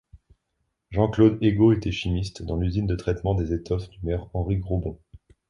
Jean-Claude Ego était chimiste dans l'usine de traitement des étoffes du maire Henri Grobon.